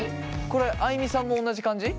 これあいみさんも同じ感じ？